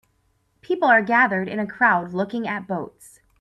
People are gathered in a crowd looking at boats.